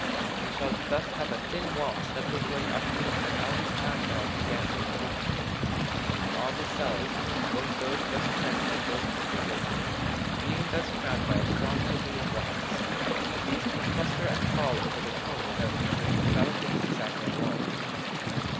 We shall thus have a thin wall steadily growing upward but always crowned by a gigantic coping. From all the cells, both those just commenced and those completed, being thus crowned by a strong coping of wax, the bees can cluster and crawl over the comb without injuring the delicate hexagonal walls.